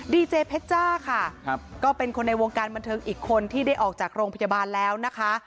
เจเพชจ้าค่ะก็เป็นคนในวงการบันเทิงอีกคนที่ได้ออกจากโรงพยาบาลแล้วนะคะ